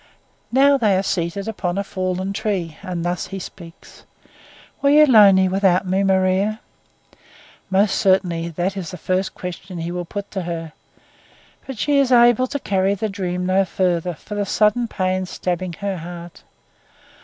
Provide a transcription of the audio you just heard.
Now they are seated upon a fallen tree, and thus he speaks: "Were you lonely without me, Maria?" Most surely it is the first question he will put to her; but she is able to carry the dream no further for the sudden pain stabbing her heart.